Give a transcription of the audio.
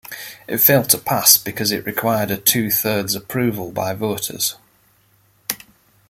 It failed to pass because it required a two-thirds approval by voters.